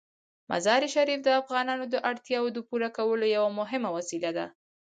مزارشریف د افغانانو د اړتیاوو د پوره کولو یوه مهمه وسیله ده.